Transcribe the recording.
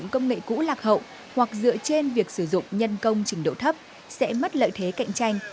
công nghệ cũ lạc hậu hoặc dựa trên việc sử dụng nhân công trình độ thấp sẽ mất lợi thế cạnh tranh